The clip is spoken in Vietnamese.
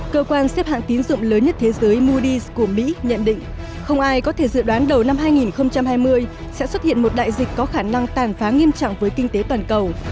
cơ quan xếp hạng tín dụng lớn nhất thế giới moodys của mỹ nhận định không ai có thể dự đoán đầu năm hai nghìn hai mươi sẽ xuất hiện một đại dịch có khả năng tàn phá nghiêm trọng với kinh tế toàn cầu